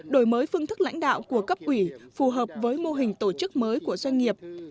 đổi mới phương thức lãnh đạo của cấp ủy phù hợp với mô hình tổ chức mới của doanh nghiệp